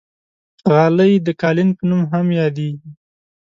غالۍ د قالین په نوم هم یادېږي.